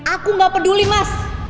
aku gak peduli mas